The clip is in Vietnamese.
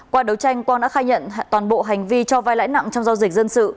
qua đấu tranh quang đã khai nhận toàn bộ hành vi cho vai lãi nặng trong giao dịch dân sự